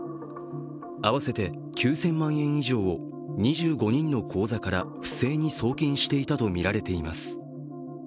合わせて９０００万円以上を２５人の口座から不正に送金していたとみられています。